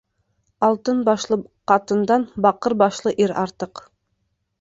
Алтын башлы ҡатындан баҡыр башлы ир артыҡ.